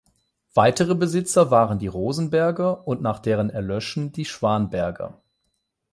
Weitere Besitzer waren die Rosenberger und nach deren Erlöschen die Schwanberger.